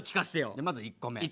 じゃまず１個目。